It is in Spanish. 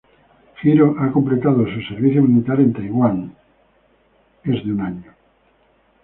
Jiro ha completado su servicio militar, en Taiwán es de un año.